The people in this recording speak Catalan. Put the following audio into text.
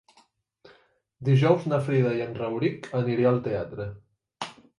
Dijous na Frida i en Rauric aniré al teatre.